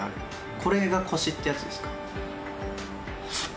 これがこしってやつですか。